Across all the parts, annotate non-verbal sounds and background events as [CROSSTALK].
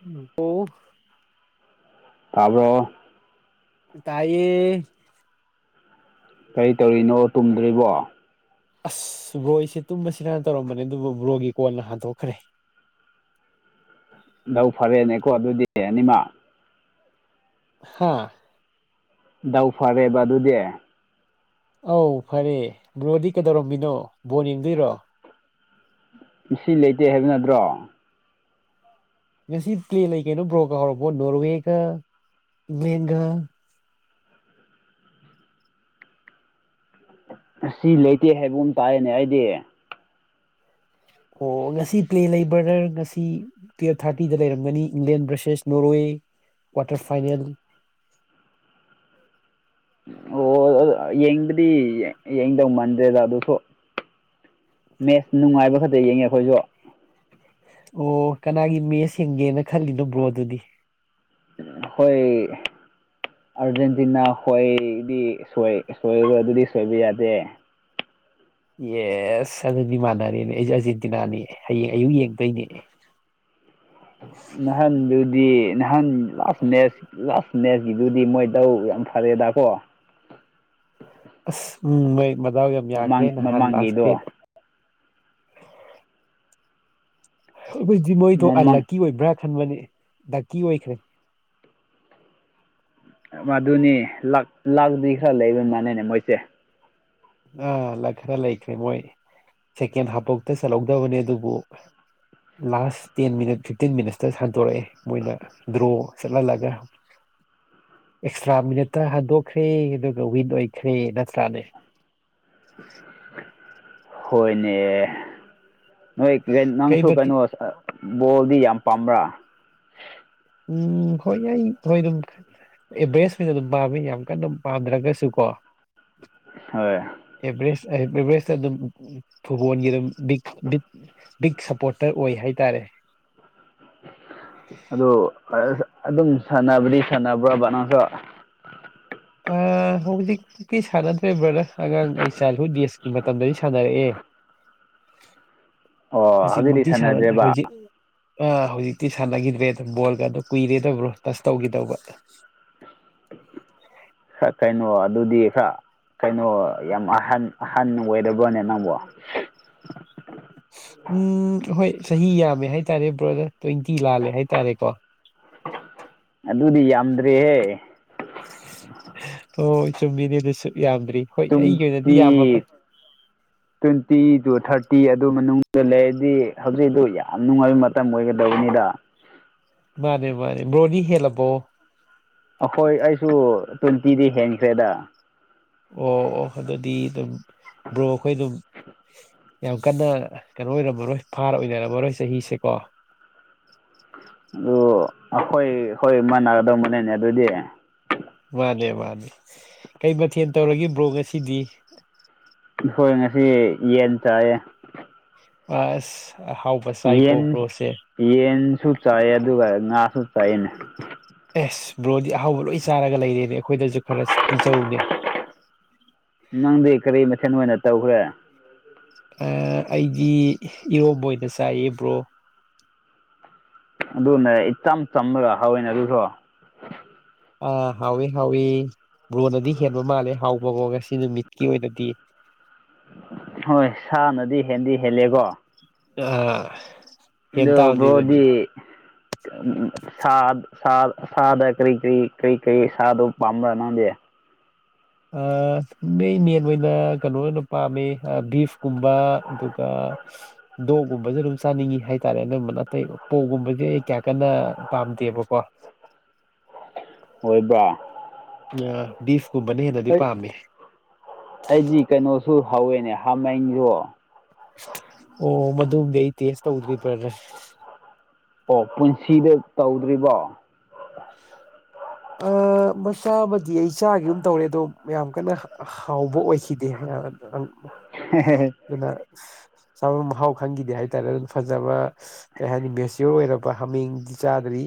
ꯎꯝ ꯑꯣ ꯇꯥꯔ꯭ꯕꯣ ꯇꯥꯏꯌꯦ ꯀꯔꯤ ꯇꯧꯔꯤꯅꯣ ꯇꯨꯝꯗ꯭ꯔꯤꯕꯣ ꯑꯁ ꯕ꯭ꯔꯣ ꯑꯩꯁꯦ ꯇꯨꯝꯃꯁꯤꯔꯥꯅ ꯇꯧꯔꯝꯕꯅꯦ ꯑꯗꯨꯕꯨ ꯕ꯭ꯔꯣꯒꯤ ꯀꯣꯟꯅ ꯍꯟꯗꯣꯛꯈ꯭ꯔꯦ ꯂꯧ ꯐꯔꯦꯅꯦꯀꯣ ꯑꯗꯨꯗꯤ ꯑꯅꯤꯃꯛ ꯍꯥꯥ ꯗꯧ ꯐꯔꯦꯕ ꯑꯗꯨꯗꯤ ꯑꯧ ꯐꯔꯦ ꯕ꯭ꯔꯣꯗꯤ ꯀꯩꯗꯧꯔꯝꯃꯤꯅꯣ ꯕꯣꯟ ꯌꯦꯡꯗꯣꯏꯔꯣ ꯉꯁꯤ ꯂꯩꯇꯦ ꯍꯥꯏꯕ ꯅꯠꯇ꯭ꯔꯣ ꯉꯁꯤ ꯄ꯭ꯂꯦ ꯂꯩ ꯀꯩꯅꯣ ꯕ꯭ꯔꯣ ꯀꯥꯎꯔꯕꯣ ꯅꯣꯔꯋꯦꯒ ꯏꯡꯂꯦꯟꯒ ꯉꯥꯁꯤ ꯂꯩꯇꯦ ꯍꯥꯏꯕꯒꯨꯝ ꯇꯥꯏꯌꯦꯅꯦ ꯑꯩꯗꯤ ꯑꯣ ꯉꯁꯤ ꯄ꯭ꯂꯦ ꯂꯩꯕ꯭ꯔꯥꯗꯔ ꯉꯁꯤ ꯇꯨꯌꯦꯐ ꯊꯥꯔꯇꯤꯗ ꯂꯩꯔꯝꯒꯅꯤ ꯏꯪꯂꯦꯟ ꯚꯔꯁꯦꯁ ꯅꯣꯔꯋꯦ ꯀ꯭ꯋꯥꯇꯔ ꯐꯥꯏꯅꯦꯜ ꯑꯣ ꯌꯦꯡꯕꯗꯤ ꯌꯦꯡꯗꯧ ꯃꯥꯟꯗ꯭ꯔꯦꯗ ꯑꯗꯨꯁꯨ ꯃꯦꯠꯁ ꯅꯨꯡꯉꯥꯏꯕ ꯈꯛꯇ ꯌꯦꯡꯉꯦ ꯑꯩꯈꯣꯏꯁꯨ ꯑꯣ ꯀꯅꯥꯒꯤ ꯃꯦꯁ ꯌꯦꯡꯒꯦꯅ ꯈꯜꯂꯤꯅꯣ ꯕ꯭ꯔꯣꯑꯗꯨꯗꯤ ꯍꯣꯏ ꯑꯥꯔꯖꯦꯟꯇꯤꯅꯥ ꯍꯣꯏꯗꯤ ꯁꯣꯏ ꯁꯣꯏꯕ ꯑꯗꯨꯗꯤ ꯁꯣꯏꯕ ꯌꯥꯗꯦ ꯌꯦꯁ ꯑꯗꯨꯗꯤꯃꯥꯟꯅꯔꯦꯅꯦ ꯑꯩꯖꯨ ꯑꯥꯔꯖꯦꯟꯇꯤꯅꯥꯅꯤ ꯍꯌꯦꯡ ꯑꯌꯨꯛ ꯌꯦꯡꯗꯣꯏꯅꯤ ꯅꯍꯥꯟꯗꯨꯗꯤ ꯅꯍꯥꯟ ꯂꯥꯁ ꯃꯦꯠꯁ ꯂꯥꯁ ꯃꯦꯁꯀꯤꯗꯨꯗꯤ ꯃꯣꯏ ꯗꯧ ꯌꯥꯝ ꯐꯔꯦꯗꯀꯣ ꯑꯁ ꯎꯝ ꯃꯣꯏ ꯃꯗꯥꯎ ꯌꯥꯝ ꯌꯥꯈ꯭ꯔꯦ ꯃꯃꯥꯡ ꯅꯍꯥꯟ ꯂꯥꯁ ꯃꯃꯥꯡꯒꯤꯗꯣ ꯄ꯭ꯂꯦꯗꯣ ꯑꯩꯈꯣꯏꯗꯤ ꯃꯣꯏꯗꯣ ꯃꯃꯥꯡ ꯑꯟꯂꯛꯀꯤ ꯑꯣꯏꯕ꯭ꯔꯥ ꯈꯟꯕꯅꯤ ꯂꯛꯀꯤ ꯑꯣꯏꯈ꯭ꯔꯦ ꯃꯗꯨꯅꯤ ꯂꯛ ꯂꯥꯛꯗꯤ ꯈꯔ ꯂꯩꯕ ꯃꯥꯟꯅꯤꯅꯦ ꯃꯣꯏꯁꯦ ꯑꯥ ꯂꯛ ꯈꯔ ꯂꯩꯈ꯭ꯔꯦ ꯃꯣꯏ ꯁꯦꯀꯦꯟ ꯍꯥꯞꯐꯧꯗ ꯆꯜꯍꯧꯗꯕꯅꯦ ꯑꯗꯨꯕꯨ ꯂꯥꯁ ꯇꯦꯟ ꯃꯤꯅꯠ ꯐꯤꯞꯇꯤꯟ ꯃꯤꯅꯠꯁꯇ ꯁꯟꯇꯣꯔꯛꯑꯦ ꯃꯣꯏꯅ ꯗ꯭ꯔꯣꯆꯥꯠꯍꯥꯜꯂꯒ ꯑꯦꯛꯁꯇ꯭ꯔꯥ ꯃꯤꯅꯠꯁꯇ ꯍꯟꯗꯣꯛꯈ꯭ꯔꯦ ꯑꯗꯨꯒ ꯋꯤꯟ ꯑꯣꯏꯈ꯭ꯔꯦ ꯅꯠꯇ꯭ꯔꯥꯅꯦ ꯍꯣꯏꯅꯦ ꯅꯣꯏ ꯀꯩ ꯅꯪꯁꯨ ꯃꯊꯤ ꯀꯩꯅꯣ ꯕꯣꯜꯗꯤ ꯌꯥꯝ ꯄꯥꯝꯕ꯭ꯔꯥ ꯎꯝ ꯍꯣꯏ ꯌꯥꯏ ꯍꯣꯏ ꯑꯗꯨꯝ ꯑꯦꯚ꯭ꯔꯦꯁ ꯑꯣꯏꯅ ꯑꯗꯨꯝ ꯄꯥꯝꯃꯤ ꯌꯥꯝ ꯀꯟꯅ ꯄꯥꯝꯗ꯭ꯔꯒꯁꯨ ꯀꯣ ꯍꯣꯏ ꯑꯦꯚ꯭ꯔꯦꯁ ꯑꯦꯚ꯭ꯔꯦꯁ ꯑꯗꯨꯝ ꯐꯨꯠꯕꯣꯜꯒꯤ ꯑꯗꯨꯝ ꯕꯤꯛ ꯕꯤꯛ ꯕꯤꯛ ꯁꯞꯄꯣꯔꯇꯔ ꯑꯣꯏ ꯍꯥꯏꯇꯥꯔꯦ ꯑꯗꯨ ꯑꯗꯨꯝ ꯁꯥꯟꯅꯕꯗꯤ ꯁꯥꯟꯅꯕ꯭ꯔ ꯕ ꯅꯪꯁꯨ ꯑ ꯍꯧꯖꯤꯛꯇꯤ ꯁꯥꯟꯅꯗ꯭ꯔꯦ ꯕ꯭ꯔꯗꯔ ꯑꯉꯥꯡ ꯑꯩ ꯆꯥꯏꯜꯍꯨꯗ ꯗꯦꯖꯀꯤ ꯃꯇꯝꯗꯗꯤ ꯁꯥꯟꯅꯔꯛꯑꯦ ꯑꯣ ꯍꯧꯖꯤꯛꯇꯤ ꯍꯧꯖꯤꯛꯃꯛꯇꯤ ꯁꯥꯟꯅꯗ꯭ꯔꯦ ꯁꯥꯟꯅꯗ꯭ꯔꯦꯕ ꯍꯧꯖꯤꯛ ꯑꯥ ꯍꯧꯖꯤꯛꯇꯤ ꯁꯥꯟꯅꯈꯤꯗ꯭ꯔꯦꯗ ꯕꯣꯜꯒꯗꯨ ꯀꯨꯏꯔꯦꯗ ꯕ꯭ꯔꯣ ꯇꯁ ꯇꯧꯒꯤꯗꯕ ꯈꯔ ꯀꯩꯅꯣ ꯑꯗꯨꯗꯤ ꯈ꯭ꯔ ꯀꯩꯅꯣ ꯌꯥꯝ ꯑꯍꯟ ꯑꯍꯟ ꯑꯣꯏꯔꯕ꯭ꯔꯣꯅꯦ ꯅꯪꯕꯣ ꯎꯝ ꯍꯣꯏ ꯆꯍꯤ ꯌꯥꯝꯃꯦ ꯍꯥꯏꯇꯥꯔꯦ ꯕ꯭ꯔꯣꯗꯔ ꯇ꯭ꯋꯦꯟꯇꯤ ꯂꯥꯜꯂꯦ ꯍꯥꯏꯇꯥꯔꯦꯀꯣ ꯑꯗꯨꯗꯤ ꯌꯥꯝꯗ꯭ꯔꯤꯍꯦ ꯍꯣꯏ ꯆꯨꯝꯃꯤꯅꯤ ꯑꯗꯨꯁꯨ ꯌꯥꯝꯗ꯭ꯔꯤ ꯍꯣꯏ ꯑꯩꯒꯤ ꯑꯣꯏꯅꯗꯤ ꯇ꯭ꯋꯦꯟꯇꯤ ꯌꯥꯝꯃꯕ ꯇ꯭ꯋꯦꯟꯇꯤ ꯇꯨ ꯊꯥꯔꯇꯤ ꯑꯗꯨ ꯃꯅꯨꯡꯗ ꯂꯩꯔꯗꯤ ꯍꯧꯖꯤꯛ ꯑꯗꯨ ꯌꯥꯝ ꯅꯨꯡꯉꯥꯏꯕ ꯇꯝ ꯑꯣꯏꯒꯗꯧꯕꯅꯤꯗ ꯃꯥꯅꯦ ꯃꯥꯅꯦ ꯕ꯭ꯔꯣꯗꯤ ꯍꯦꯜꯂꯕꯣ ꯑꯈꯣꯏ ꯑꯩꯁꯨ ꯇ꯭ꯋꯦꯟꯇꯤꯗꯤ ꯍꯦꯟꯈ꯭ꯔꯦꯗ ꯑꯣ ꯑꯣ ꯑꯗꯨꯗꯤ ꯑꯗꯨꯝ ꯕ꯭ꯔꯣ ꯑꯈꯣꯏ ꯑꯗꯨꯝ ꯌꯥꯝ ꯀꯟꯅ ꯀꯩꯅꯣ ꯑꯣꯏꯔꯝꯃꯔꯣꯏ ꯐꯥꯔ ꯑꯣꯏꯅꯔꯝꯃꯔꯣꯏ ꯆꯍꯤꯁꯦ ꯀꯣ ꯑꯗꯨ ꯑꯈꯣꯏ ꯍꯣꯏ ꯃꯥꯟꯅꯒꯗꯧꯕꯃꯥꯂꯦꯅꯦ ꯑꯗꯨꯗꯤ ꯃꯥꯅꯦ ꯃꯥꯅꯦ ꯀꯩ ꯃꯊꯦꯟ ꯇꯧꯔꯒꯦ ꯕ꯭ꯔꯣ ꯉꯁꯤꯗꯤ ꯏꯈꯣꯏ ꯉꯁꯤ ꯌꯦꯟ ꯆꯥꯌꯦ ꯑꯁ ꯑꯍꯥꯎꯕ ꯌꯦꯟ ꯆꯥꯏꯀꯣ ꯕ꯭ꯔꯣꯁꯦ ꯌꯦꯟꯁꯨ ꯆꯥꯌꯦ ꯑꯗꯨꯒ ꯉꯥꯁꯨ ꯆꯥꯌꯦꯅꯦ ꯑꯦꯁ ꯕ꯭ꯔꯣꯗꯤ ꯑꯍꯥꯎꯕ ꯂꯣꯏ ꯆꯥꯔꯒ ꯂꯩꯔꯦꯅꯦ ꯑꯈꯣꯏꯗꯁꯨ ꯈꯔ ꯄꯤꯖꯧꯅꯦ ꯅꯪꯗꯤ ꯀꯔꯤ ꯃꯊꯦꯜ ꯑꯣꯏꯅ ꯇꯧꯈ꯭ꯔꯦ ꯑ ꯑꯩꯗꯤ ꯏꯔꯣꯝꯕ ꯑꯣꯏꯅ ꯆꯥꯏꯌꯦ ꯕ꯭ꯔꯣ ꯑꯗꯨꯅ ꯏꯆꯝ ꯆꯝꯂꯒ ꯍꯥꯎꯋꯦꯅꯦ ꯑꯗꯨꯁꯨ ꯑ ꯍꯥꯎꯋꯤ ꯍꯥꯎꯋꯤ ꯕ꯭ꯔꯣꯅꯗꯤ ꯍꯦꯟꯕ ꯃꯥꯜꯂꯦ ꯍꯥꯎꯕꯀꯣ ꯉꯁꯤ ꯅꯨꯃꯤꯠꯀꯤ ꯑꯣꯏꯅꯗꯤ ꯍꯣꯏ ꯁꯥꯅꯗꯤ ꯍꯦꯟꯗꯤ ꯍꯦꯜꯂꯦꯀꯣ ꯑ ꯑꯗꯨ ꯐꯗꯨ ꯕ꯭ꯔꯣꯗꯤ ꯁꯥ ꯁꯥ ꯁꯥꯥꯗ ꯀꯔꯤ ꯀ꯭ꯔꯤ ꯀꯔꯤ ꯀꯩ ꯁꯥꯗꯣ ꯄꯥꯝꯕ꯭ꯔꯥ ꯅꯪꯗꯤ ꯑ ꯃꯦꯟ ꯑꯣꯏꯅ ꯀꯩꯅꯣ ꯑꯣꯏꯅ ꯄꯥꯝꯃꯦ ꯕꯤꯐꯀꯨꯝꯕ ꯑꯗꯨꯒ ꯗꯣꯛꯒꯨꯝꯕꯁꯨ ꯑꯗꯨꯝ ꯆꯥꯅꯤꯡꯉꯤ ꯍꯥꯏꯇꯥꯔꯦ ꯑꯅꯝꯕꯅ ꯑꯇꯩ ꯄꯣꯛꯒꯨꯝꯕꯁꯦ ꯑꯩ ꯀꯌꯥ ꯀꯟꯅ ꯄꯥꯝꯗꯦꯕꯀꯣ ꯑꯣꯏꯕ꯭ꯔꯥ ꯑꯥ ꯕꯤꯐ ꯀꯨꯝꯕꯅ ꯍꯦꯟꯅꯗꯤ ꯑꯩ ꯄꯥꯝꯃꯤ ꯑꯩꯗꯤ ꯀꯩꯅꯣꯁꯨ ꯍꯥꯎꯋꯦꯅꯦ ꯍꯥꯃꯦꯡꯖꯨ ꯑꯣ ꯃꯗꯨꯝꯗꯤ ꯑꯩ ꯇꯦꯁ ꯇꯧꯗ꯭ꯔꯤ ꯕ꯭ꯔꯗꯔ ꯑꯣ ꯄꯨꯟꯁꯤꯗ ꯇꯧꯗ꯭ꯔꯤꯕꯣ ꯑ ꯃꯆꯥ ꯑꯃꯗꯤ ꯑꯩ ꯆꯥꯒꯤꯒꯨꯝ ꯇꯧꯔꯦ ꯑꯗꯣ ꯌꯥꯝ ꯀꯟꯅ ꯍꯥꯎꯕ ꯑꯣꯏꯈꯤꯗꯦ [UNINTELLIGIBLE] ꯑꯗꯨꯅ ꯆꯥꯕ ꯃꯍꯥꯎ ꯈꯪꯒꯤꯗꯦ ꯍꯥꯏꯇꯥꯔꯦ ꯐꯖꯕ ꯀꯩ ꯍꯥꯏꯅꯤ ꯃꯦꯆꯤꯌꯣꯔ ꯑꯣꯏꯔꯕ ꯍꯥꯃꯦꯡꯗꯤ ꯆꯥꯗ꯭ꯔꯤ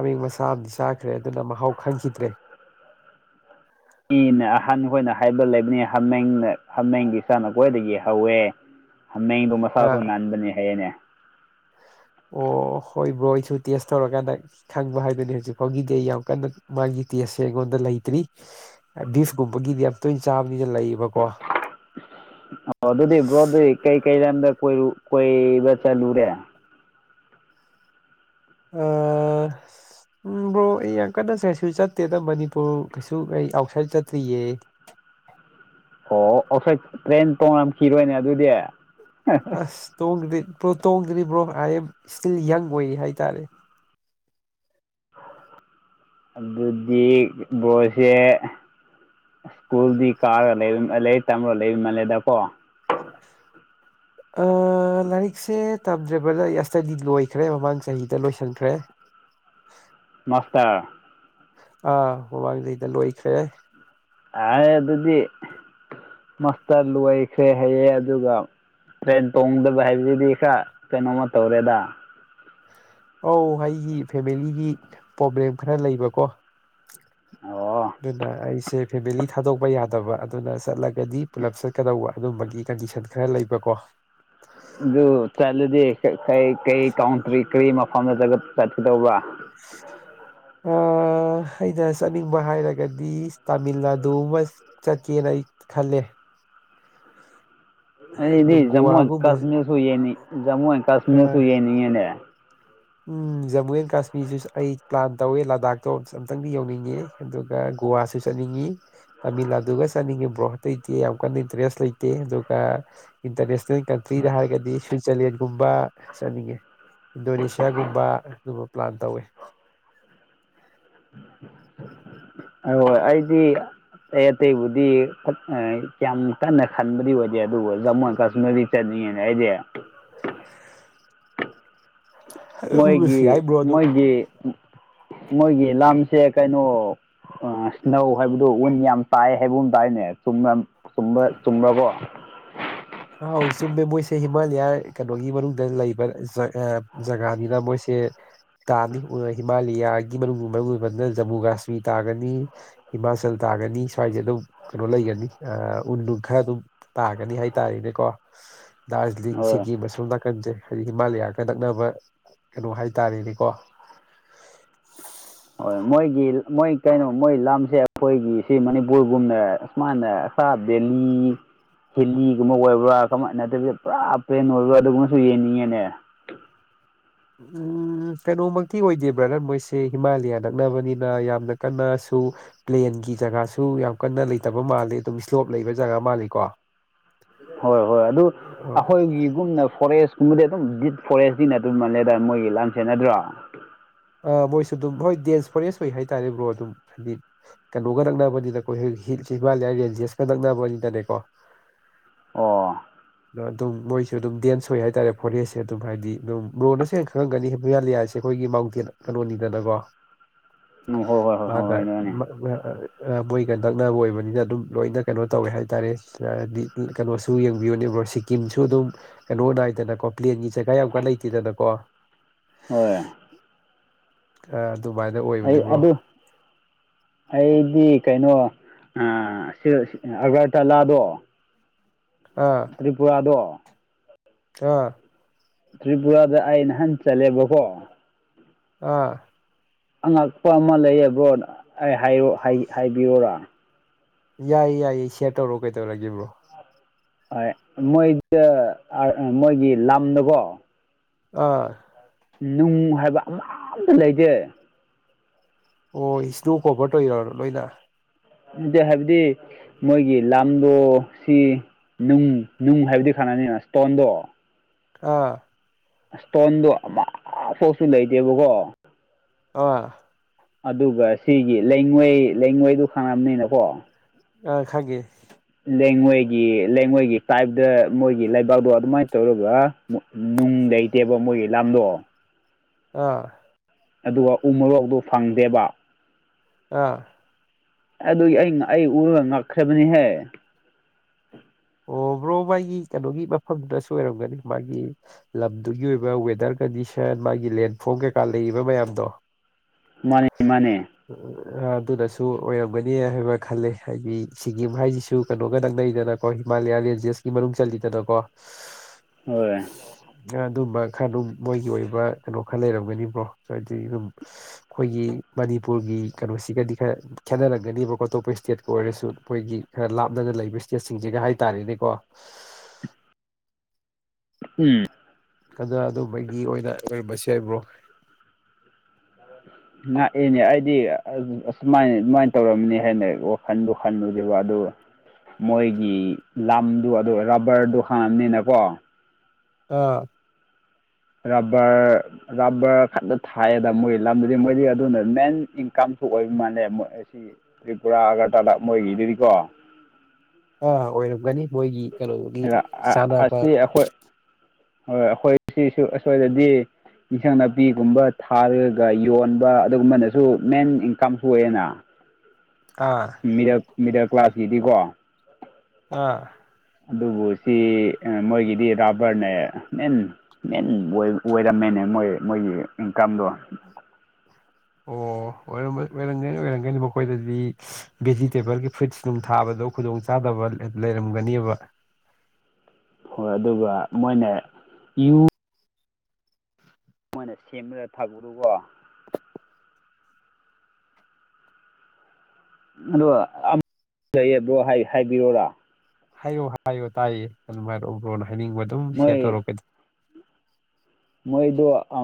ꯍꯥꯃꯦꯡ ꯃꯆꯥ ꯑꯃꯗꯤ ꯆꯥꯈ꯭ꯔꯦ ꯑꯗꯨꯅ ꯃꯍꯥꯎ ꯈꯪꯈꯤꯗ꯭ꯔꯦ ꯏꯅ ꯑꯍꯟꯈꯣꯏꯅ ꯍꯥꯏꯕ ꯂꯩꯕꯅꯦ ꯍꯃꯦꯡꯅ ꯍꯃꯦꯡꯒꯤ ꯁꯥꯅ ꯈ꯭ꯋꯥꯏꯗꯒꯤ ꯍꯧꯋꯦ ꯍꯥꯃꯦꯡꯗꯣ ꯃꯁꯥꯁꯨ ꯑꯥ ꯅꯥꯟꯕꯅꯦ ꯍꯌꯦꯅꯦ ꯑꯣ ꯍꯣꯏ ꯕ꯭ꯔꯣ ꯑꯩꯁꯨ ꯇꯦꯁ ꯇꯧꯔꯒ ꯀꯥꯟꯗ ꯈꯪꯕ ꯍꯥꯏꯗꯨꯅꯦ ꯍꯧꯖꯤꯛ ꯐꯥꯎꯒꯤꯗꯤ ꯑꯩ ꯌꯥꯝ ꯀꯟꯅ ꯃꯥꯒꯤ ꯇꯦꯁꯁꯦ ꯑꯩꯉꯣꯔꯟꯗ ꯂꯩꯇ꯭ꯔꯤ ꯕꯤꯐ ꯀꯨꯝꯕꯒꯤꯗꯤ ꯌꯥꯝ ꯇꯣꯏꯅ ꯆꯥꯕ ꯃꯤꯖꯨ ꯂꯩꯌꯦ ꯑꯣ ꯑꯗꯨꯗꯤ ꯕ꯭ꯔꯣꯗꯤ ꯀꯩꯀꯩ ꯂꯝꯗꯥ ꯀꯣꯏꯕ ꯆꯠꯂꯨꯔꯦ ꯑꯥ ꯎꯝ ꯕ꯭ꯔꯣ ꯑꯩ ꯌꯥꯝ ꯀꯟꯅ ꯀꯩꯁꯨ ꯆꯠꯇꯦꯗ ꯃꯅꯤꯄꯨꯔ ꯀꯩꯁꯨ ꯑꯩ ꯑꯥꯎꯠꯁꯥꯏꯠ ꯆꯠꯇ꯭ꯔꯤꯌꯦ ꯑꯣ ꯑꯥꯎꯠꯁꯥꯏꯠ ꯇ꯭ꯔꯦꯟ ꯇꯣꯡꯉꯝꯈꯤꯔꯣꯏꯅꯦ ꯑꯗꯨꯗꯤ ꯑꯁ ꯇꯣꯡꯗ꯭ꯔꯤ ꯇꯣꯡꯗ꯭ꯔꯤ ꯕ꯭ꯔꯣ ꯑꯥꯏ ꯑꯦꯝ ꯏꯁꯇꯤꯜ ꯌꯪ ꯑꯣꯏꯔꯤ ꯍꯥꯏꯇꯥꯔꯦ ꯑꯗꯨꯗꯤ ꯕ꯭ꯔꯣꯁꯦ ꯁ꯭ꯀꯨꯜꯗꯤ ꯀꯥꯔꯒ ꯂꯩ ꯂꯥꯏꯔꯤꯛ ꯇꯝꯃꯒ ꯂꯩꯕ ꯃꯜꯂꯦꯗꯀꯣ ꯑꯥ ꯂꯥꯏꯔꯤꯛꯁꯦ ꯇꯝꯗ꯭ꯔꯦ ꯕ꯭ꯔꯗꯔ ꯏꯁꯇꯗꯤ ꯂꯣꯏꯈ꯭ꯔꯦ ꯃꯃꯥꯡ ꯆꯍꯤꯗ ꯂꯣꯏꯁꯤꯟꯈ꯭ꯔꯦ ꯃꯥꯁꯇꯔ ꯑꯥ ꯃꯃꯥꯡ ꯆꯍꯤꯗ ꯂꯣꯏꯈ꯭ꯔꯦ ꯑꯥꯏ ꯑꯗꯨꯗꯤ ꯃꯥꯁꯇꯔ ꯂꯣꯏꯈ꯭ꯔꯦ ꯍꯥꯏꯌꯦ ꯑꯗꯨꯒ ꯇ꯭ꯔꯦꯟ ꯇꯣꯡꯗꯕ ꯍꯥꯏꯕꯖꯤꯗꯤ ꯈꯔ ꯀꯩꯅꯣꯃ ꯇꯧꯔꯦꯗ ꯑꯧ ꯑꯩꯒꯤ ꯐꯦꯃꯤꯂꯤꯒꯤ ꯄ꯭ꯔꯣꯕ꯭ꯂꯦꯝ ꯈꯔ ꯂꯩꯕꯀꯣ ꯑꯣ ꯑꯗꯨꯅ ꯑꯩꯁꯦ ꯐꯦꯃꯤꯂꯤ ꯊꯥꯗꯣꯛꯄ ꯌꯥꯗꯕ ꯑꯗꯨꯅ ꯆꯠꯂꯒꯗꯤ ꯄꯨꯂꯞ ꯆꯠꯀꯗꯧꯕ ꯑꯗꯨꯝꯕꯒꯤ ꯀꯟꯗꯤꯁꯟ ꯈꯔ ꯂꯩꯕꯀꯣ ꯑꯗꯨ ꯆꯠꯂꯗꯤ ꯀꯔꯤ ꯀꯟꯇ꯭ꯔꯤ ꯀꯔꯤ ꯃꯐꯝꯗ ꯆꯠꯀꯗꯧꯕ [INAUDIBLE] ꯑꯩꯅ ꯆꯠꯅꯤꯡꯕ ꯍꯥꯏꯔꯒꯗꯤ ꯇꯥꯃꯤꯜ ꯅꯥꯗꯨ ꯑꯃ ꯆꯠꯀꯦꯅ ꯑꯩ ꯈꯜꯂꯦ ꯑꯗꯨ ꯑꯩꯗꯤ ꯖꯃꯨ ꯑꯦꯟ ꯒꯣꯋꯥꯒꯨꯝꯕ ꯀꯥꯁꯃꯤꯔꯁꯨ ꯌꯦꯅꯤ ꯖꯃꯨ ꯑꯦꯟ ꯀꯥꯁꯃꯤꯔꯁꯨ ꯑꯥ ꯌꯦꯡꯅꯤꯡꯉꯦꯅꯦ ꯎꯝ ꯖꯃꯨ ꯑꯦꯟ ꯀꯥꯁꯃꯤꯔꯁꯨ ꯑꯩ ꯄ꯭ꯂꯥꯟ ꯇꯧꯋꯦ ꯂꯥꯗꯥꯛꯇꯣ ꯑꯃꯨꯛꯇꯪꯗꯤ ꯌꯧꯅꯤꯡꯉꯤ ꯑꯗꯨꯒ ꯒꯣꯋꯥꯁꯨ ꯆꯠꯅꯤꯡꯉꯤ ꯇꯥꯃꯤꯜ ꯅꯥꯗꯨꯒ ꯆꯠꯅꯤꯡꯉꯤ ꯕ꯭ꯔꯣ ꯑꯇꯩꯗꯤ ꯌꯥꯝ ꯀꯟꯅ ꯏꯟꯇ꯭ꯔꯦꯁ ꯂꯩꯇꯦ ꯑꯗꯨꯒ ꯏꯟꯇꯔꯅꯦꯁꯅꯦꯜ ꯀꯟꯇ꯭ꯔꯤꯗ ꯍꯥꯏꯔꯒꯗꯤ ꯁ꯭ꯋꯤꯖꯔꯂꯦꯟꯒꯨꯝꯕ ꯆꯠꯅꯤꯡꯉꯦ ꯏꯟꯗꯣꯅꯦꯁ ꯅꯌꯥꯒꯨꯝꯕ ꯑꯗꯨꯨꯝꯕ ꯄ꯭ꯂꯥꯟ ꯇꯧꯋꯦ ꯑꯩꯗꯤ ꯑꯩ ꯑꯇꯩꯕꯨꯗꯤ ꯌꯥꯝ ꯀꯟꯅ ꯈꯟꯕꯗꯤ ꯑꯣꯏꯗꯦ ꯑꯗꯨꯕꯨ ꯖꯃꯨ ꯑꯦꯟ ꯀꯥꯁꯃꯤꯔꯗꯤ ꯆꯠꯅꯤꯡꯉꯤꯅꯤ ꯑꯩꯗꯤ ꯃꯣꯏꯒꯤ ꯌꯥꯏ ꯕ꯭ꯔꯣ ꯑꯗꯨ ꯃꯣꯏꯒꯤ ꯃꯣꯏꯒꯤ ꯂꯝꯁꯦ ꯀꯩꯅꯣ ꯑꯁꯅꯧ ꯍꯥꯏꯕꯗꯨ ꯎꯟ ꯌꯥꯝ ꯇꯥꯌꯦ ꯍꯥꯏꯕꯒꯨꯝ ꯇꯥꯌꯦꯅꯦ ꯆꯨꯝꯕ꯭ꯔ ꯆꯨꯝꯕ꯭ꯔꯀꯣ ꯑꯥꯎ ꯆꯨꯝꯃꯦ ꯃꯣꯏꯁꯦ ꯍꯤꯃꯥꯂꯌꯥ ꯀꯩꯅꯣꯒꯤ ꯃꯅꯨꯡꯗ ꯂꯩꯕ ꯖꯒꯥ ꯖꯒꯥꯅꯤꯅ ꯃꯣꯏꯁꯦ ꯇꯥꯅꯤ ꯍꯤꯃꯥꯂꯌꯥꯒꯤ ꯃꯅꯨꯡ ꯃꯔꯨ ꯑꯣꯏꯕꯅ ꯖꯃꯨ ꯀꯥꯁꯃꯤꯔ ꯇꯥꯒꯅꯤ ꯍꯤꯃꯥꯆꯜ ꯇꯥꯒꯅꯤ ꯁ꯭ꯋꯥꯏꯁꯦ ꯑꯗꯨꯝ ꯀꯩꯅꯣ ꯂꯩꯒꯅꯤ ꯎꯟ ꯅꯨꯡ ꯈꯔ ꯑꯗꯨꯝ ꯇꯥꯒꯅꯤ ꯍꯥꯏ ꯍꯥꯏꯇꯥꯔꯅꯦꯀꯣ ꯗꯥꯔꯖꯂꯤꯡ ꯍꯣꯏ ꯁꯤꯀꯤꯝ ꯃꯁꯣꯝ ꯅꯥꯀꯟꯖꯦ ꯍꯥꯏꯗꯤ ꯍꯤꯃꯥꯂꯌꯥꯒ ꯅꯛꯅꯕ ꯀꯩꯅꯣ ꯍꯥꯏꯇꯥꯔꯦꯅꯦꯀꯣ ꯍꯣꯏ ꯃꯣꯏꯒꯤ ꯃꯣꯏ ꯀꯩꯅꯣ ꯃꯣꯏ ꯂꯝꯁꯦ ꯑꯩꯈꯣꯏꯒꯤ ꯁꯤ ꯃꯅꯤꯄꯨꯔꯒꯨꯝꯅ ꯃꯥꯅ ꯁꯥꯕ ꯗꯦꯜꯂꯤ ꯍꯤꯂꯤꯒꯨꯝꯕ ꯑꯣꯏꯕ꯭ꯔꯥ ꯀꯃꯥꯏꯅꯠ ꯇꯕꯤꯗ ꯄꯨꯔꯥ ꯄ꯭ꯂꯦꯟ ꯑꯣꯏꯕ꯭ꯔꯥ ꯑꯗꯨꯒꯨꯝꯕꯁꯨ ꯌꯦꯡꯅꯤꯡꯉꯦꯅꯦ ꯎꯝ ꯀꯩꯅꯣꯃꯛꯇꯤ ꯑꯣꯏꯗꯦ ꯕ꯭ꯔꯗꯔ ꯃꯣꯏꯁꯦ ꯍꯤꯃꯥꯂꯌꯥ ꯅꯛꯅꯕꯅꯤꯅ ꯌꯥꯝꯅ ꯀꯟꯅꯁꯨ ꯄ꯭ꯂꯦꯟꯒꯤ ꯖꯒꯥꯁꯨ ꯌꯥꯝ ꯀꯟꯅ ꯂꯩꯇꯕ ꯃꯥꯜꯂꯦ ꯑꯗꯨꯝ ꯏꯁ꯭ꯂꯣꯞ ꯂꯩꯕ ꯖꯒꯥ ꯃꯥꯜꯂꯤ ꯀꯣ ꯍꯣꯏ ꯍꯣꯏ ꯑꯗꯨ ꯑꯩꯈꯣꯏꯒꯤꯒꯨꯝꯅ ꯐꯣꯔꯦꯁ ꯁꯨꯝꯕꯨꯗꯤ ꯑꯗꯨꯝ ꯗꯤꯞ ꯐꯣꯔꯦꯁꯅꯤꯅ ꯑꯗꯨꯝ ꯃꯜꯂꯦꯗ ꯃꯣꯏꯒꯤ ꯂꯥꯟꯁꯦ ꯅꯗ꯭ꯔꯣ꯫ ꯑ ꯃꯣꯏꯁꯨ ꯑꯗꯨꯝ ꯍꯣꯏ ꯗꯦꯟꯁ ꯐꯣꯔꯦꯁ ꯑꯣꯏ ꯍꯥꯏꯇꯥꯔꯦ ꯕ꯭ꯔꯣ ꯑꯗꯨꯝ ꯍꯥꯏꯗꯤ ꯀꯩꯅꯣꯒ ꯅꯛꯅꯕꯅꯤꯅꯀꯣ ꯍꯤꯜ ꯍꯤ ꯍꯤꯃꯥꯂꯌꯥꯟ ꯔꯦꯟꯖꯦꯁꯀ ꯅꯛꯅꯕꯅꯤꯅꯅꯦꯀꯣ꯫ ꯑꯣ꯫ ꯗꫭ ꯑꯗꯨꯝ ꯃꯣꯏꯁꯨ ꯑꯗꯨꯝ ꯗꯦꯟꯁ ꯑꯣꯏ ꯍꯥꯏꯇꯥꯔꯦ ꯐꯣꯔꯦꯁꯁꯦ ꯑꯗꯨꯝ ꯍꯥꯏꯗꯤ ꯑꯗꯨꯝ ꯕ꯭ꯔꫭꯅ ꯁꯦꯟ ꯈꯪꯉꯝꯒꯅꯤ ꯍꯦꯃꯥꯂꯤꯌꯥꯁꯦ ꯑꯩꯈꯣꯏꯒꯤ ꯃꯥꯎꯟꯇꯦꯟ ꯀꯩꯅꯣꯅꯤꯗꯅꯀꯣ꯫ ꯎꯝ ꯍꯣꯏ ꯍꯣꯏ ꯍꯣꯏ ꯍꯣꯏ ꯃꯥꯒ ꯍꯣꯏꯅꯦ [UNINTELLIGIBLE] ꯑ ꯃꯣꯏꯒ ꯅꯛꯅꯕ ꯑꯣꯏꯕꯅꯤꯅ ꯑꯗꯨꯝ ꯂꯣꯏꯅ ꯀꯩꯅꯣ ꯇꯧꯋꯦ ꯍꯥꯏꯇꯥꯔꯦꯗꯤ [UNINTELLIGIBLE] ꯀꯩꯅꯣꯁꯨ ꯌꯦꯡꯕꯤꯌꯨꯅꯦ ꯕ꯭ꯔꯣ ꯁꯤ ꯀꯤꯝꯁꯨ ꯑꯗꯨꯝ ꯀꯩꯅꯣ ꯅꯥꯏꯗꯅꯀꯣ ꯄ꯭ꯂꯦꯟꯒꯤ ꯖꯒꯥ ꯌꯥꯝ ꯀꯟ ꯂꯩꯇꯦꯗꯅꯀꯣ꯫ ꯍꯣꯏ꯫ ꯑꯥ ꯗꯨꯃꯥꯏꯅ ꯑꯣꯏꯕꯅꯦ ꯑꯩ ꯕ꯭ꯔꯣ꯫ ꯑꯗꯨ ꯑꯩꯗꯤ ꯀꯩꯅꯣ ꯑ ꯁꯤꯜ ꯑꯒꯔꯇꯥꯂꯥꯗꯣ ꯑꯥ꯫ ꯇ꯭ꯔꯤꯄꯨꯔꯥꯗꯣ ꯑꯥ꯫ ꯇ꯭ꯔꯤꯄꯨꯔꯥꯗ ꯑꯩ ꯅꯍꯥꯟ ꯆꯠꯂꯦꯕꯀꯣ꯫ ꯑꯥ꯫ ꯑꯉꯛꯄ ꯑꯃ ꯂꯩꯌꯦ ꯕ꯭ꯔꯣ ꯑꯩ ꯍꯥꯏꯌꯣ ꯍꯥꯏ ꯍꯥꯏꯕꯤꯌꯣꯔꯥ꯫ ꯌꯥꯏꯌꯦ-ꯌꯥꯏꯌꯦ ꯁꯦꯌꯔ ꯇꯧꯔꯛꯑꯣ ꯀꯩꯗꯧꯔꯒꯦ ꯕ꯭ꯔꯣ꯫ ꯍꯣꯏ ꯃꯣꯏꯗ ꯑꯔ ꯃꯣꯏꯒꯤ ꯂꯝꯗꯣꯀꯣ ꯑꯥ꯫ ꯅꯨꯡ ꯍꯥꯏꯕ ꯑꯃꯥꯇ ꯂꯩꯇꯦ꯫ ꯑꯣ ꯏꯁ꯭ꯅꯣ ꯀꯣꯕꯔ ꯇꯧꯔꯤꯔꯣ ꯂꯣꯏꯅ꯫ ꯅꯇꯦ ꯍꯥꯏꯕꯗꯤ ꯃꯣꯏꯒꯤ ꯂꯝꯗꯣ ꯁꯤ ꯅꯨꯡ ꯅꯨꯡ ꯍꯥꯏꯕꯗꯤ ꯈꯪꯅꯅꯤꯅ ꯏꯁ꯭ꯇꯣꯟꯗꯣ ꯑꯥ꯫ ꯁ꯭ꯇꯣꯟꯗꯣ ꯑꯃꯥꯐꯧꯁꯨ ꯂꯩꯇꯦꯕꯀꯣ꯫ ꯑꫭꯑ꯫ ꯑꯗꯨꯒ ꯁꯤꯒꯤ ꯂꯩꯉꯣꯏ ꯂꯩꯉꯣꯏꯗꯨ ꯈꯪꯔꯝꯅꯤꯅꯀꯣ꯫ ꯑ ꯈꯪꯉꯦ꯫ ꯂꯦꯉꯣꯏꯒꯤ ꯂꯦꯉꯣꯏꯒꯤ ꯇꯥꯏꯞꯇ ꯃꯣꯏꯒꯤ ꯂꯩꯕꯥꯛꯗꯣ ꯑꯗꯨꯃꯥꯏꯅ ꯇꯧꯔꯒ ꯃꫭ ꯅꯨꯡ ꯂꯩꯇꯦꯕ ꯃꯣꯏꯒꯤ ꯂꯥꯝꯗꯣ꯫ ꯑꯥ꯫ ꯑꯗꯨꯒ ꯎ ꯃꯣꯔꯣꯛꯇꯣ ꯐꯪꯗꯦꯕ꯫ ꯑꯥ꯫ ꯑꯗꯨꯒꯤ ꯑꯩ ꯉ ꯑꯩ ꯎꯔꯒ ꯉꯛꯈ꯭ꯔꯕꯅꯤꯍꯦ꯫ ꯑꯣ ꯕ꯭ꯔꯣ ꯃꯥꯒꯤ ꯀꯩꯅꯣꯒꯤ ꯃꯐꯝꯗꯨꯗꯁꯨ ꯑꯣꯏꯔꯝꯒꯅꯤ ꯃꯥꯒꯤ ꯂꯝꯗꯨꯒꯤ ꯑꯣꯏꯕ ꯋꯦꯗꯔ ꯀꯟꯗꯤꯁꯟ ꯃꯥꯒꯤ ꯂꯦꯟꯐꯣꯔꯝ ꯀꯩꯀꯥ ꯂꯩꯔꯤꯕ ꯃꯌꯥꯝꯗꯣ꯫ ꯃꯥꯅꯦ [UNINTELLIGIBLE] ꯃꯥꯅꯦ ꯑ ꯑꯗꯨꯅꯁꯨ ꯑꯣꯏꯔꯝꯒꯅꯤ ꯍꯥꯏꯕ ꯈꯜꯂꯦ ꯍꯥꯏꯗꯤ ꯁꯤꯀꯤꯝ ꯍꯥꯏꯁꯤꯁꯨ ꯀꯩꯅꯣꯒ ꯅꯛꯅꯩꯗꯅ꯫ ꯈꯣꯏ ꯍꯤꯃꯥꯂꯌꯥ ꯔꯦꯟꯖꯦꯁꯀꯤ ꯃꯅꯨꯡ ꯆꯜꯂꯤꯗꯅꯀꯣ꯫ ꯍꯣꯏ꯫ ꯑꯗꯨꯝꯕ ꯈꯔ ꯑꯗꯨꯝ ꯃꯣꯏꯒꯤ ꯑꯣꯏꯕ ꯀꯩꯅꯣ ꯈꯔ ꯂꯩꯔꯝꯒꯅꯤꯕ꯭ꯔꯣ ꯍꯥꯏꯗꯤ ꯑꯗꯨꯝ ꯈꯣꯏꯒꯤ ꯃꯅꯤꯄꯨꯔꯒꯤ ꯀꯩꯅꯣꯁꯤꯒꯗꯤ ꯈꯔ ꯈꯦꯠꯅꯔꯒꯅꯤꯕꯀꯣ ꯑꯇꯣꯞꯄ ꯏꯁ꯭ꯇꯦꯠꯀ ꯑꯣꯏꯔꯁꯨ ꯃꯣꯏꯒꯤ ꯈꯔ ꯂꯥꯞꯅꯅ ꯂꯩꯕ ꯏꯁꯇꯦꯠꯁꯤ ꯁꯤꯡꯁꯤꯒ ꯍꯥꯏꯇꯥꯔꯦꯅꯦꯀꯣ꯫ ꯎꯝ꯫ ꯀꯟꯅ ꯑꯗꯨꯝꯕꯒꯤ ꯑꯣꯏꯅ ꯑꯣꯏꯔꯝꯕꯁꯨ ꯌꯥꯏ ꯕ꯭ꯔꯣ꯫ ꯉꯥꯛꯑꯦꯅꯦ ꯑꯩꯗꯤ ꯑ ꯑꯁꯨꯃꯥꯏꯅ ꯗꯨꯃꯥꯏꯅ ꯇꯧꯔꯝꯅꯤ ꯍꯥꯏꯅ ꯋꯥꯈꯟꯗꯨ ꯈꯟꯂꯨꯗꯨꯕ ꯑꯗꯨ ꯃꯣꯏꯒꯤ ꯂꯝꯗꯨ ꯑꯗꯨ ꯔꯕꯔꯗꯨ ꯍꯥꯡꯉꯝꯅꯤꯅꯀꯣ꯫ ꯑꯥ꯫ ꯔꯥꯕ꯭ꯔ ꯔꯕ꯭ꯔ ꯈꯛꯇ ꯊꯥꯏꯌꯦꯗ ꯃꯣꯏꯒꯤ ꯂꯝꯗꯨꯗꯤ ꯃꯣꯏꯗꯤ ꯑꯗꯨꯅ ꯃꯦꯟ ꯏꯟꯀꯝꯁꯨ ꯑꯣꯏꯕ ꯃꯥꯜꯂꯦ ꯃꯣꯏ ꯑꯁꯤ ꯇ꯭ꯔꯤꯄꯨꯔꯥ ꯑꯒꯔꯇꯂꯥ ꯃꯣꯏꯒꯤꯗꯨꯗꯤꯀꯣ꯫ ꯑꯥ ꯑꯣꯏꯔꯝꯒꯅꯤ ꯃꯣꯏꯒꯤ ꯀꯩꯅꯣꯗꯨꯒꯤ ꯆꯥꯅꯕ ꯑꯁꯤ ꯑꯩꯈꯣꯏ ꯍꯣꯏ ꯑꯩꯈꯣꯏ ꯁꯤꯁꯨ ꯑꯁ꯭ꯋꯥꯏꯗꯗꯤ ꯏꯟꯁꯥꯡ ꯅꯥꯄꯤꯒꯨꯝꯕ ꯊꯥꯔꯒ ꯌꯣꯟꯕ ꯑꯗꯨꯒꯨꯝꯕꯅꯁꯨ ꯃꯦꯟ ꯏꯟꯀꯝꯁꯨ ꯑꯣꯏꯌꯦꯅꯥ꯫ ꯑꯥ꯫ Middle middle ꯀ꯭ꯂꯥꯁꯀꯤꯗꯤꯀꯣ꯫ ꯑꯥ꯫ ꯑꯗꯨꯕꯨ ꯁꯤ ꯃꯣꯏꯒꯤꯗꯤ ꯔꯥꯕ꯭ꯔꯅꯦ ꯃꯦꯟ ꯃꯦꯟ ꯑꯣꯏ ꯑꫭꯏꯔꯝꯃꯦꯅꯦ ꯃꯣꯏ ꯃꯣꯏꯒꯤ ꯏꯟꯀꯝꯗꯣ꯫ ꯑꯣ ꯑꯣꯏꯔꯝꯒ ꯑꫭꯏꯔꯝꯒꯅꯤ ꯑꯣꯏꯔꯝꯒꯅꯤ ꯃꯈꯣꯏꯗꯗꯤ ꯚꯦꯖꯤꯇꯦꯕꯜꯒꯤ ꯐ꯭ꯔꯨꯏꯠꯁ ꯅꯨꯡ ꯊꯥꯕꯗꯣ ꯈꯨꯗꯣꯡꯆꯥꯥꯗꯕ ꯂꯩꯔꯝꯒꯅꯤꯕ꯫ ꯍꯣꯏ ꯑꯗꯨꯒ ꯃꯣꯏꯅ ꯌꯨ ꯃꯣꯏꯅ ꯁꯦꯝꯃꯒ ꯊꯛꯄꯗꯨꯀꯣ꯫ ꯑꯗꯣ ꯑꯃ ꯂꯩꯌꯦ ꯕ꯭ꯔꯣ ꯍꯥꯏ ꯍꯥꯏꯕꯤꯑꯣꯔꯥ꯫ ꯍꯥꯏꯌꯣ-ꯍꯥꯏꯌꯣ ꯇꯥꯏꯌꯦ ꯑꯗꯨꯝ ꯍꯥꯏꯔꯛꯎ ꯕ꯭ꯔꯣꯅ ꯍꯥꯏꯅꯤꯡꯕ ꯑꯗꯨꯝ ꯁꯦꯌꯔ ꯃꯣꯏ ꯇꯧꯔꯛꯑꯣ ꯀꯩꯗꯧ ꯃꯣꯏꯗꯣ ꯑ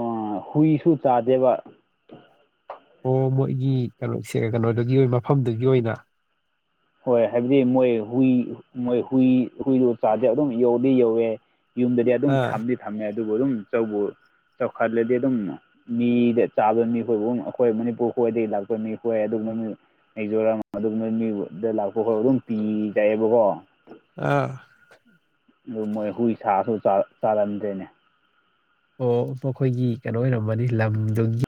ꯍꯨꯏꯁꯨ ꯆꯥꯗꯦꯕ꯫ ꯑꯣ ꯃꯣꯏꯒꯤ ꯀꯩꯅꯣꯁꯦ ꯀꯩꯅꯣꯗꯨꯒꯤ ꯃꯐꯝꯗꯨꯒꯤ ꯑꯣꯏꯅ꯫ ꯍꯣꯏ ꯍꯥꯏꯕꯗꯤ ꯃꯣꯏ ꯍꯨꯏ ꯃꯣꯏ ꯍꯨꯏ ꯍꯨꯏꯗꯣ ꯆꯥꯗꯦ ꯑꯗꯨꯝ ꯌꯣꯛꯗꯤ ꯌꯣꯛꯑꯦ꯫ ꯌꯨꯝꯗꯗꯤ ꯑꯗꯨꯝ ꯑꯥ ꯊꯝꯗꯤ ꯊꯝꯃꯦ ꯑꯗꯨꯕꯨ ꯑꯗꯨꯝ ꯆꯧꯕꯨ ꯆꯧꯈꯠꯂꯗꯤ ꯑꯗꯨꯝ ꯃꯤꯗ ꯆꯥꯕ ꯃꯤꯈꯣꯏꯒꯨꯝ ꯑꯩꯈꯣꯏ ꯃꯅꯤꯄꯨꯔ ꯍꯣꯏꯗꯒꯤ ꯂꯥꯛꯄ ꯃꯤꯈꯣꯏ [INAUDIBLE] ꯃꯤꯖꯣꯔꯥꯝ ꯑꯗꯨꯒꯨꯝꯕ ꯃꯤꯕꯨꯗ ꯂꯥꯛꯄ ꯍꯣꯏꯕꯨ ꯑꯗꯨꯝ ꯄꯤꯖꯌꯦꯕꯀꯣ꯫ ꯑꯥ꯫ ꯑꯗꯨ ꯃꯣꯏ ꯍꯨꯏ ꯁꯥꯁꯨ ꯆꯥ ꯆꯥꯔꯝꯗ꯭ꯔꯦꯅꯦ꯫ ꯑꯣ ꯃꯈꯣꯏꯒꯤ ꯀꯩꯅꯣ ꯑꯣꯏꯔꯝꯃꯅꯤ ꯂꯝꯗꯨꯒꯤ